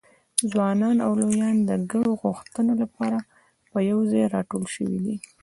ځوانان او لویان د ګډو غوښتنو لپاره په یوځایي راټول شوي دي.